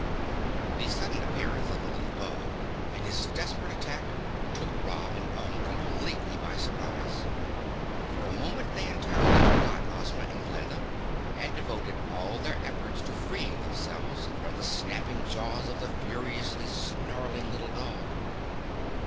The sudden appearance of the little dog and his desperate attack took Ra and Umb completely by surprise. For a moment they entirely forgot Ozma and Glinda and devoted all their efforts to freeing themselves from the snapping jaws of the furiously snarling little dog.